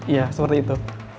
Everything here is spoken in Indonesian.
iya seperti itu